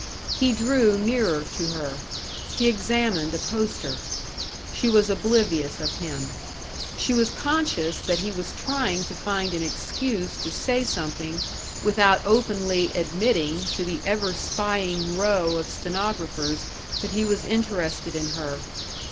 He drew nearer to her. He examined a poster. She was oblivious of him. She was conscious that he was trying to find an excuse to say something without openly admitting to the ever spying row of stenographers that he was interested in her.